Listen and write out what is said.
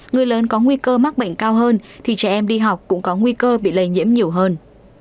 người lớn có nguy cơ mắc bệnh cao hơn thì trẻ em đi học cũng có nguy cơ bị lây nhiễm nhiều hơn